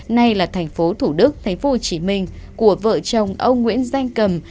nay là thành phố thủ đức tp hcm của vợ chồng ông nguyễn danh cầm